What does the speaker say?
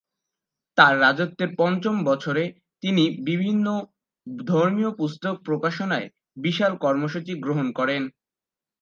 তার রাজত্বের পঞ্চম বছরে তিনি বিভিন্ন ধর্মীয় পুস্তক প্রকাশনার বিশাল কর্মসূচী গ্রহণ করেন।